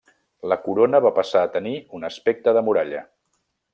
La corona va passar a tenir un aspecte de muralla.